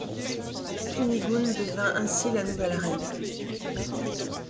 Kunigunde devient ainsi la nouvelle reine.